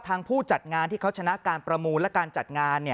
ผู้จัดงานที่เขาชนะการประมูลและการจัดงาน